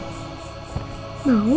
kita makan dulu ya